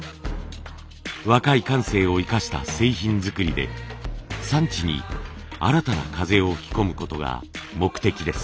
若い感性を生かした製品作りで産地に新たな風を吹き込むことが目的です。